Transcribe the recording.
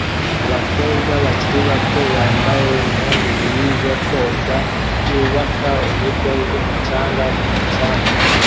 Abakobwa bakiri bato bambaye imyenda ibiri yo koga yubaka urugo rwumucanga ku mucanga